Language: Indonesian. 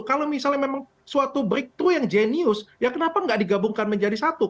kalau misalnya memang suatu breakthrough yang jenius ya kenapa nggak digabungkan menjadi satu